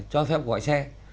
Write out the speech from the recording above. cho phép gọi xe